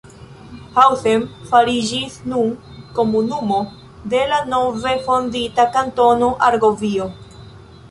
Hausen fariĝis nun komunumo de la nove fondita Kantono Argovio.